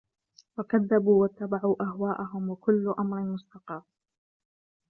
وَكَذَّبوا وَاتَّبَعوا أَهواءَهُم وَكُلُّ أَمرٍ مُستَقِرٌّ